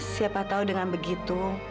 siapa tahu dengan begitu